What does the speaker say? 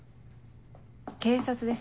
警察です。